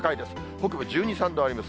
北部１２、３度あります。